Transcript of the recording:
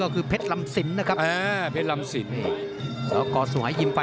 ครับครับครับครับครับครับครับ